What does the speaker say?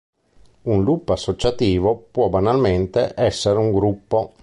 Un loop associativo può banalmente essere un gruppo.